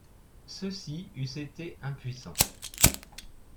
Ceux-ci eussent été impuissants.